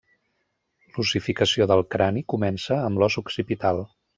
L'ossificació del crani comença amb l'os occipital.